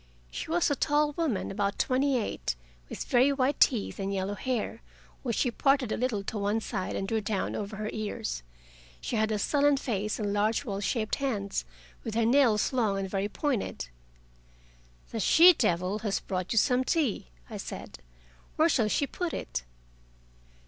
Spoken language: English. She was a tall woman, about twenty eight, with very white teeth and yellow hair, which she parted a little to one side and drew down over her ears. She had a sullen face and large well shaped hands, with her nails long and very pointed. "The 'she devil' has brought you some tea," I said. "Where shall she put it?"